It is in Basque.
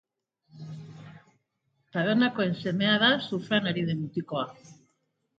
Tabernakoen semea da surfean ari den mutikoa.